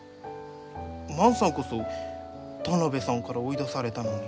万さんこそ田邊さんから追い出されたのに。